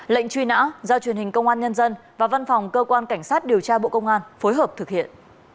lệnh truy nã do truyền hình công an nhân dân và văn phòng cơ quan cảnh sát điều tra bộ công an phối hợp thực hiện